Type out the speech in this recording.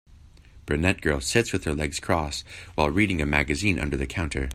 Brunette girl sits with her legs cross while reading a magazine under the counter.